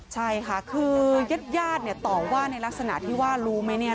ใช่ค่ะคือยาดเนี่ยต่อว่าในลักษณะที่ว่ารู้ไหมเนี่ย